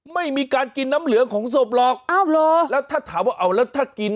ไม่มีการกินน้ำเหลืองของศพหรอกอ้าวเหรอแล้วถ้าถามว่าเอาแล้วถ้ากิน